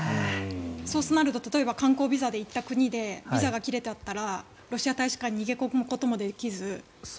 そうなると観光ビザで行った国でビザが切れちゃったらロシア大使館に逃げ込むこともできず。